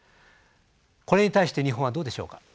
これに対して日本はどうでしょうか？